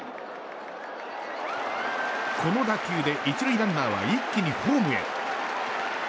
この打球で１塁ランナーは一気にホームへ。